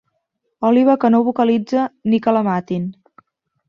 Òliba que no vocalitza ni que la matin.